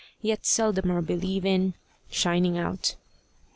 yet seldomer believe in, shining out.